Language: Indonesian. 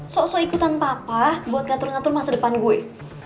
so so ikutan papa buat ngatur ngatur masa depan gue